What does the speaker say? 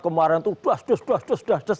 kemarin tuh das das das das das